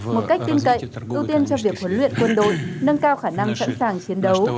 một cách tin cậy ưu tiên cho việc huấn luyện quân đội nâng cao khả năng sẵn sàng chiến đấu